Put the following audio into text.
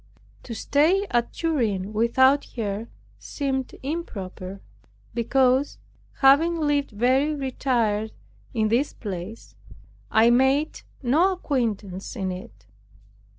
To stay at Turin without her seemed improper, because, having lived very retired in this place, I made no acquaintance in it.